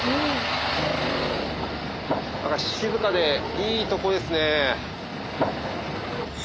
静かでいいとこですね。